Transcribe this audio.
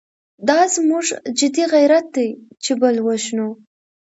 دا زموږ جدي غیرت دی چې بل ووژنو.